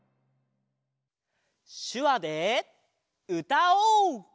しゅわでうたおう！